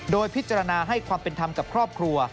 โดยพิจารณาให้ความเป็นธรรมกับครอบครัว